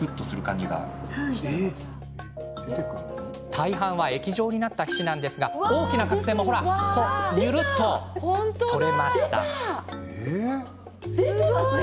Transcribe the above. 大半は液状になった皮脂なんですが、大きな角栓もほらにゅるっと取れました。